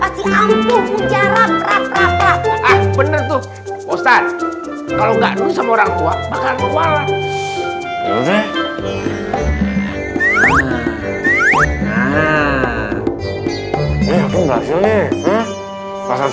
pasti ampuh mujarah praprah ah bener tuh pausat kalau gak duit sama orang tua bakalan membalas